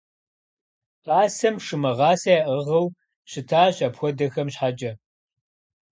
Пасэм шы мыгъасэ яӏыгъыу щытащ апхуэдэхэм щхьэкӏэ.